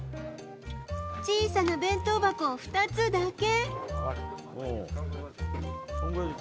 小さな弁当箱２つだけ。